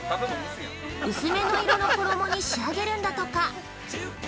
薄めの色の衣に仕上げるんだとか。